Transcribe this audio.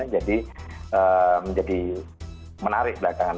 jadi menjadi menarik belakangan